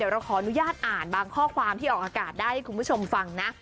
เราขออนุญาตอ่านบางข้อความที่ออกอากาศได้ให้คุณผู้ชมฟังนะ